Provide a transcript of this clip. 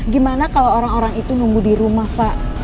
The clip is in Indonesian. gimana kalau orang orang itu nunggu di rumah pak